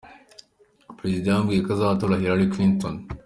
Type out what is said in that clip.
"Perezida yambwiye ko azatora Hillary Clinton!".